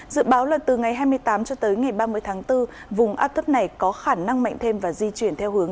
dự báo là từ ngày hai mươi tám cho tới ngày ba mươi tháng bốn vùng áp thấp này có khả năng mạnh thêm và di chuyển theo hướng